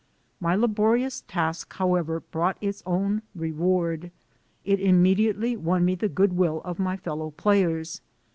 My laborious task, however, brought its own re ward. It immediately won me the good will of my fellow players.